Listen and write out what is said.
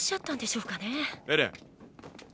エレン。